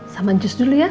sama jus dulu ya